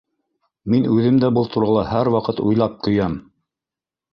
Мин үҙем дә был турала һәр ваҡыт уйлап көйәм.